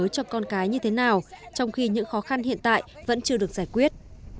bà con nhớ cho con cái như thế nào trong khi những khó khăn hiện tại vẫn chưa được giải quyết